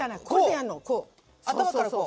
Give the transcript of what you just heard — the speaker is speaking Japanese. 頭からこう？